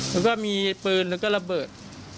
แล้วก็มีปืนแล้วก็ระเบิด